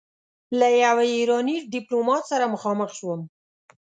له يوه ايراني ډيپلومات سره مخامخ شوم.